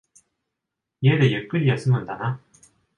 家でゆっくり休むんだな。